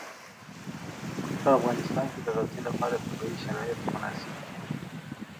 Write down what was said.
په افغانستان کې د غزني لپاره طبیعي شرایط مناسب دي.